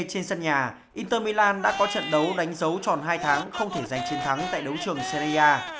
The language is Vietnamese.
trên sân nhà inter milan đã có trận đấu đánh dấu tròn hai tháng không thể giành chiến thắng tại đấu trường syria